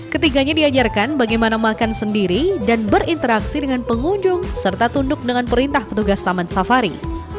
ketiganya diajarkan bagaimana makan sendiri dan berinteraksi dengan pengunjung serta tunduk dengan perintah petugas taman safari